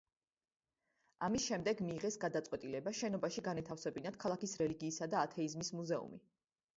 ამის შემდეგ მიიღეს გადაწყვეტილება შენობაში განეთავსებინათ ქალაქის რელიგიისა და ათეიზმის მუზეუმი.